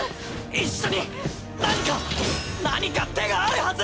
一緒に何か何か手があるはず！